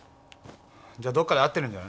どっかで会ってるんじゃない？